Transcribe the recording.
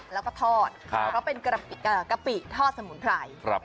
แล้วก็ทอดเพราะเป็นกะปิทอดสมุนไพร